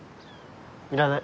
いらない。